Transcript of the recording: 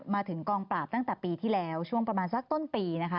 มาถึงกองปราบตั้งแต่ปีที่แล้วช่วงประมาณสักต้นปีนะคะ